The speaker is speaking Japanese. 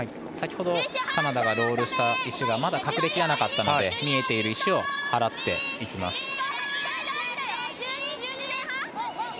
先ほど、カナダがロールした石がまだ隠れきらなかったので見えている石を掃います。